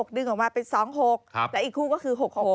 ดึงออกมาเป็น๒๖และอีกคู่ก็คือ๖๖